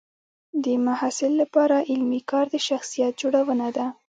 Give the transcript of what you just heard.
د محصل لپاره علمي کار د شخصیت جوړونه ده.